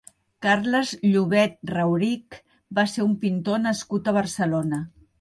Carles Llobet Raurich va ser un pintor nascut a Barcelona.